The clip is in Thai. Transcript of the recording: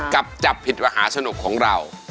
กับจับผิดมหาสนุกของเรา